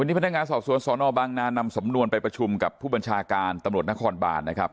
พนักงานสอบสวนสนบางนานำสำนวนไปประชุมกับผู้บัญชาการตำรวจนครบานนะครับ